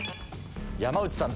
山内さん